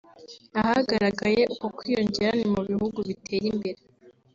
Ahagaragaye uku kwiyongera ni mu bihugu bitera imbere